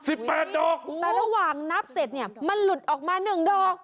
ดอกแต่ระหว่างนับเสร็จเนี่ยมันหลุดออกมาหนึ่งดอก